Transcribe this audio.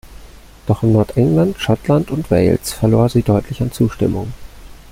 Doch in Nordengland, Schottland und Wales verlor sie deutlich an Zustimmung.